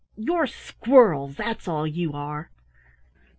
You're squirrels that's all you are!"